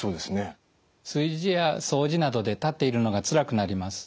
炊事や掃除などで立っているのがつらくなります。